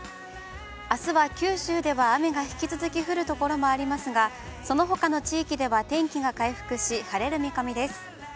あすは九州では雨が引き続き降るところもありますが、そのほかの地域では、天気が回復し、晴れる見込みです。